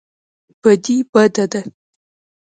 بدي بده ده.